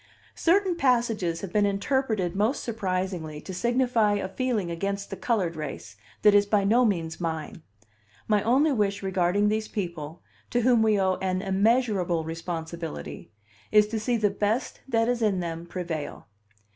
Certain passages have been interpreted most surprisingly to signify a feeling against the colored race, that is by no means mine. My only wish regarding these people, to whom we owe an immeasurable responsibility, is to see the best that is in them prevail.